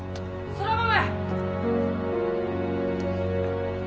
空豆！